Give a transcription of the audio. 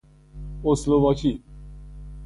اسلواکی